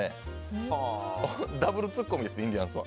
ダブルツッコミです。